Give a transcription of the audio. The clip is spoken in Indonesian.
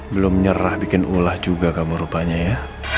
belum nyerah bikin ulah juga kamu rupanya ya